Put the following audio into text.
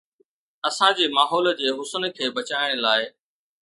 اسان جي ماحول جي حسن کي بچائڻ لاء